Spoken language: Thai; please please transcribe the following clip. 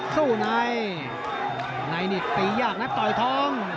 เข้าในนิดปียากนะต้อยท้อง